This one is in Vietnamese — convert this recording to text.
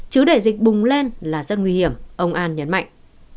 chứ đại dịch bùng lên là rất nguy hiểm ông an nhấn mạnh